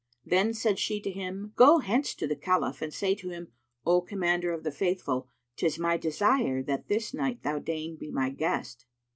Then said she to him, "Go hence to the Caliph and say to him, 'O Commander of the Faithful, 'tis my desire that this night thou deign be my guest.'"